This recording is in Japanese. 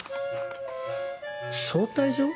招待状？